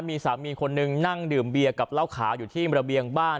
มีสามีคนนึงนั่งดื่มเบียร์กับเหล้าขาวอยู่ที่ระเบียงบ้าน